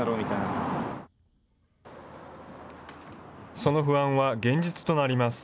その不安は現実となります。